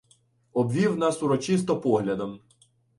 Обвів нас урочисто поглядом.